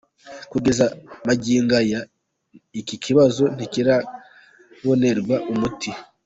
Kugeza magingo aya, iki kibazo ntikirabonerwa umuti.